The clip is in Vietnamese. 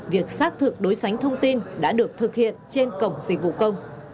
việc xác thực đối sánh thông tin đã được thực hiện trên cổng dịch vụ công